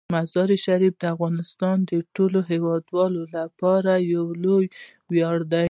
مزارشریف د افغانستان د ټولو هیوادوالو لپاره یو لوی ویاړ دی.